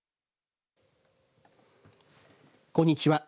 こんにちは。